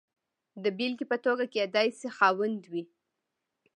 د بېلګې په توګه کېدای شي خاوند وي.